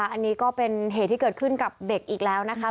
อันนี้ก็เป็นเหตุที่เกิดขึ้นกับเด็กอีกแล้วนะคะ